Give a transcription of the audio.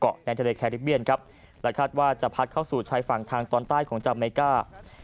แนนทะเลแคริเบียนครับและคาดว่าจะพัดเข้าสู่ชายฝั่งทางตอนใต้ของจาเมก้า